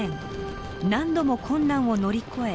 何度も困難を乗り越え